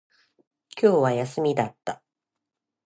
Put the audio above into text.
今日は休みだった